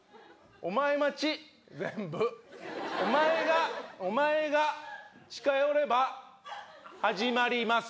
全部お前がお前が近寄れば始まります